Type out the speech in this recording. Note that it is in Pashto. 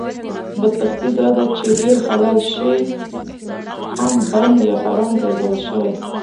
بدبختي داده چې ډېر حلال شی هم بند یا حرام ګرځول شوي